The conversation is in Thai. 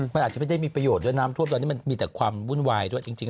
มันอาจจะไม่ได้มีประโยชน์ด้วยน้ำท่วมตอนนี้มันมีแต่ความวุ่นวายด้วยจริง